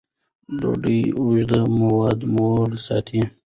ډوډۍ اوږده موده موړ ساتي.